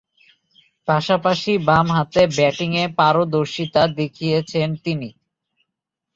পাশাপাশি বামহাতে ব্যাটিংয়ে পারদর্শিতা দেখিয়েছেন তিনি।